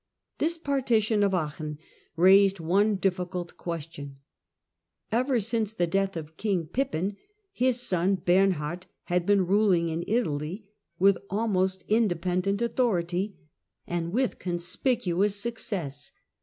This partition of Aachen raised one difficult question. Ever since the death of King Pippin his son Bernhard had been ruling in Italy with almost independent authority and with conspicuous success.